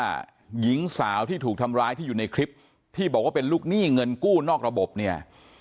หญิงสาวที่ถูกทำร้ายที่อยู่ในคลิปที่บอกว่าเป็นลูกหนี้เงินกู้นอกระบบเนี่ย